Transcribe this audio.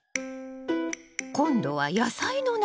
今度は野菜の苗？